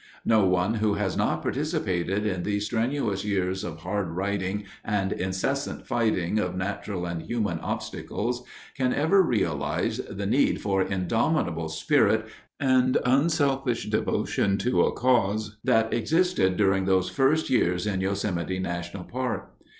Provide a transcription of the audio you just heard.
No one who has not participated in those strenuous years of hard riding and incessant fighting of natural and human obstacles can ever realize the need for indomitable spirit and unselfish devotion to a cause that existed during those first years in Yosemite National Park.